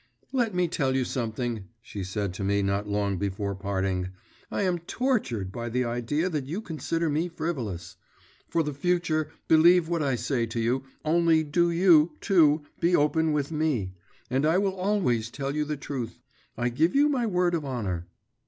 'Let me tell you something,' she said to me not long before parting; 'I am tortured by the idea that you consider me frivolous.… For the future believe what I say to you, only do you, too, be open with me; and I will always tell you the truth, I give you my word of honour.